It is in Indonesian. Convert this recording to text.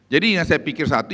jadi yang saya pikir satu